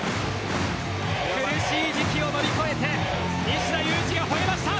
苦しい時期を乗り越えて西田有志がほえました。